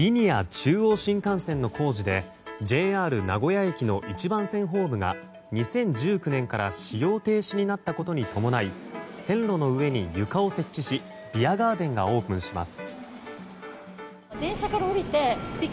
中央新幹線の工事でＪＲ名古屋駅の１番線ホームが２０１９年から使用停止になったことに伴い線路の上に床を設置しビアガーデンがオープンします。